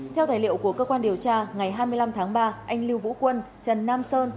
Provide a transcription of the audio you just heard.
theo tài liệu của cơ quan điều tra ngày hai mươi năm tháng ba anh lưu vũ quân trần nam sơn